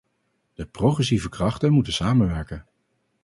De progressieve krachten moeten samenwerken.